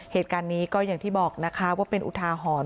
เหตุการณ์นี้ก็อย่างที่บอกนะคะว่าเป็นอุทาหรณ์